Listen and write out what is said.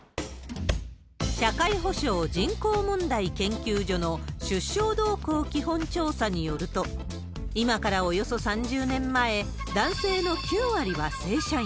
社会保障・人口問題研究所の出生動向基本調査によると、今からおよそ３０年前、男性の９割は正社員。